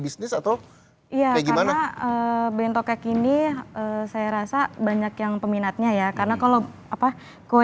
bisnis atau iya karena bentoke ini saya rasa banyak yang peminatnya ya karena kalau apa kue